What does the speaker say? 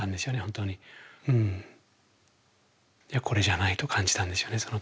いやこれじゃないと感じたんですよね